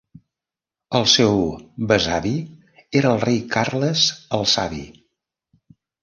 El seu besavi era el rei Carles el Savi.